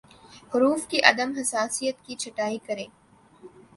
حروف کی عدم حساسیت کی چھٹائی کریں